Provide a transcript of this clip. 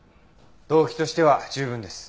動機としては十分です。